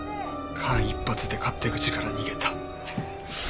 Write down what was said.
間一髪で勝手口から逃げた。